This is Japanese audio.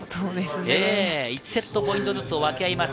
１セットポイントずつを分け合います。